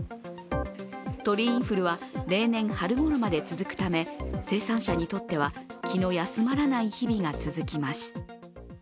鳥インフルは例年春頃まで続くため、生産者にとっては気の休まらない日々が続きます。